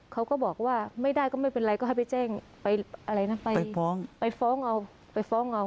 เขาก็บอกว่าไม่ได้ก็ไม่เป็นไรก็ให้ไปแจ้งไปอะไรนะไปฟ้องเอา